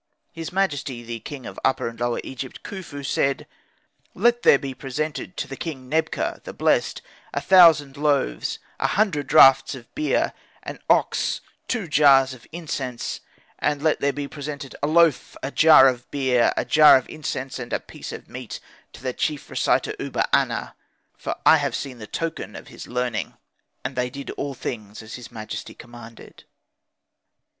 His majesty the king of Upper and Lower Egypt, Khufu, then said, "Let there be presented to the king Nebka, the blessed, a thousand loaves, a hundred draughts of beer, an ox, two jars of incense; and let there be presented a loaf, a jar of beer, a jar of incense, and a piece of meat to the chief reciter Uba aner; for I have seen the token of his learning." And they did all things as his majesty commanded.